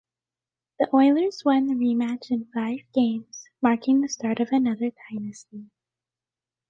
The Oilers won the rematch in five games, marking the start of another dynasty.